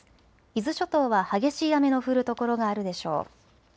伊豆諸島は激しい雨の降る所があるでしょう。